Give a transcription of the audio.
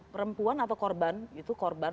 perempuan atau korban itu korban